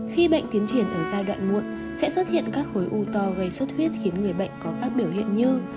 khi bệnh tiến triển ở giai đoạn muộn sẽ xuất hiện các khối u to gây xuất huyết khiến người bệnh có các biểu hiện như